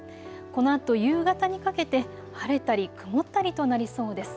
このあと夕方にかけて晴れたり曇ったりとなりそうです。